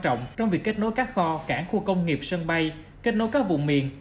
trọng trong việc kết nối các kho cảng khu công nghiệp sân bay kết nối các vùng miền